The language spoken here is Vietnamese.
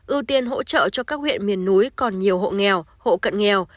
ưu tiên hỗ trợ cho các huyện miền núi còn nhiều hộ nghèo hộ cận nghèo